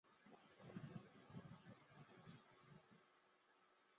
出道时其实声带结茧。